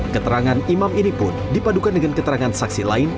keterangan imam ini pun dipadukan dengan keterangan saksi lain